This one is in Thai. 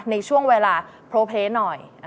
ในช่วงเวลาโพลเพลหน่อย